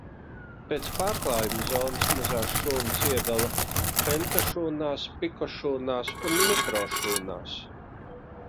Pēc pārklājuma zonas mazās šūnas iedala femtošūnās, pikošūnās un mikrošūnās.